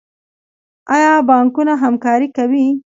آیا بانکونه همکاري کوي؟